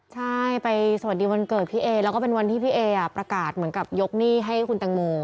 ใช่ไปสวัสดีวันเกิดพี่เอแล้วก็เป็นวันที่พี่เอประกาศเหมือนกับยกหนี้ให้คุณแตงโม